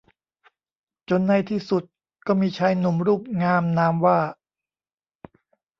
จนในที่สุดก็มีชายหนุ่มรูปงามนามว่า